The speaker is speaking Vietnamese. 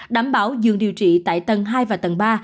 đảm bảo giường điều trị tại tầng hai và tầng ba